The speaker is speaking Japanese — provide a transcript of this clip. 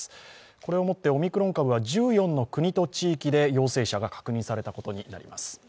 これをもって、オミクロン株は１４の国と地域によって確認されたことになります。